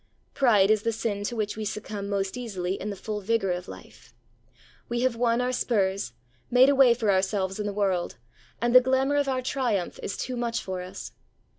Pride is the sin to which we succumb most easily in the full vigour of life. We have won our spurs, made a way for ourselves in the world, and the glamour of our triumph is too much for us.